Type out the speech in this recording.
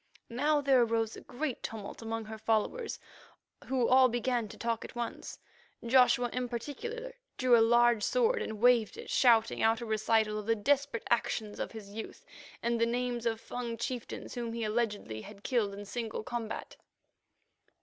Now there arose a great tumult among her followers, who all began to talk at once. Joshua in particular drew a large sword and waved it, shouting out a recital of the desperate actions of his youth and the names of Fung chieftains whom he alleged he had killed in single combat.